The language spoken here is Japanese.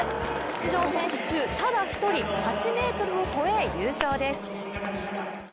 出場選手中、ただ一人８ｍを超え、優勝です。